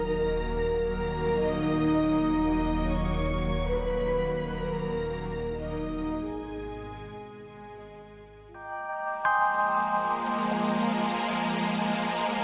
iya be gara gara dia be